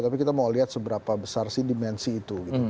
tapi kita mau lihat seberapa besar sih dimensi itu